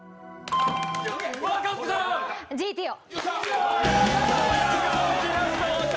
「ＧＴＯ」。